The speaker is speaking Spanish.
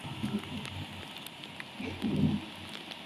Desde entonces represente a Estados Unidos.